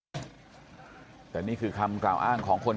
ตรของหอพักที่อยู่ในเหตุการณ์เมื่อวานนี้ตอนค่ำบอกให้ช่วยเรียกตำรวจให้หน่อย